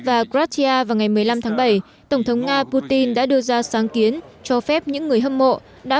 và kratia vào ngày một mươi năm tháng bảy tổng thống nga putin đã đưa ra sáng kiến cho phép những người hâm mộ đã